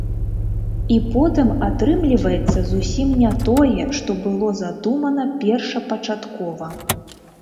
І потым атрымліваецца зусім не тое, што было задумана першапачаткова.